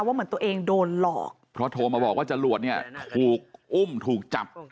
เหมือนตัวเองโดนหลอกเพราะโทรมาบอกว่าจรวดเนี่ยถูกอุ้มถูกจับ